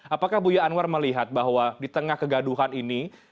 apakah buya anwar melihat bahwa di tengah kegaduhan ini